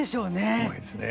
すごいですね。